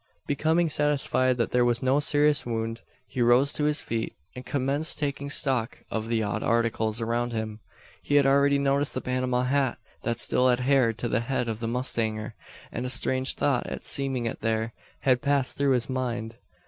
Becoming satisfied that there was no serious wound, he rose to his feet, and commenced taking stock of the odd articles around him. He had already noticed the Panama hat, that still adhered to the head of the mustanger; and a strange thought at seeing it there, had passed through his mind.